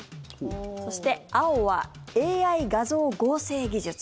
そして、青はＡＩ画像合成技術。